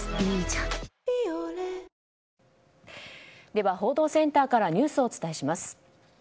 では、報道センターからニュースをお伝えします。